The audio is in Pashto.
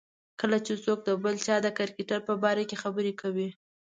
کله چې څوک د بل چا د کرکټر په باره کې خبرې کوي.